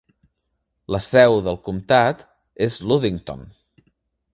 La seu del comtat és Ludington.